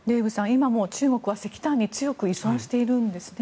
今も中国は石炭に強く依存しているんですね。